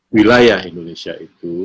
wilayah indonesia itu